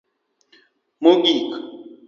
mogik